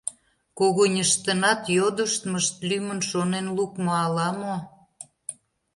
Когыньыштынат йодыштмышт лӱмын шонен лукмо ала-мо?